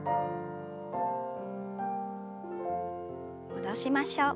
戻しましょう。